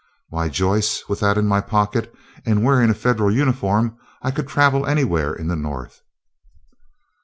"Why, Joyce, with that in my pocket, and wearing a Federal uniform, I could travel anywhere in the North."